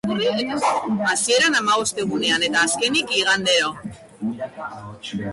Hasieran, hamabost egunean; eta azkenik, igandero.